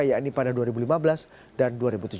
yakni pada dua ribu lima belas dan dua ribu tujuh belas